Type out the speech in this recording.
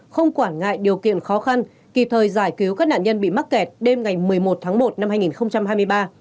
không quản ngại điều kiện khó khăn kịp thời giải cứu các nạn nhân bị mắc kẹt đêm ngày một mươi một tháng một năm hai nghìn hai mươi ba